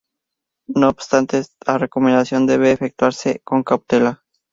No obstante, esta recomendación debe efectuarse con cautela.